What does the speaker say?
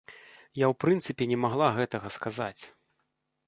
Я ў прынцыпе не магла гэтага сказаць!